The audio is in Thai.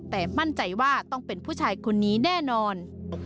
แต่มั่นใจว่าต้องเป็นผู้ชายคนนี้แน่นอน